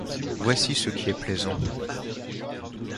Voici qui est plaisant !